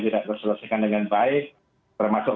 tidak terselesaikan dengan baik termasuk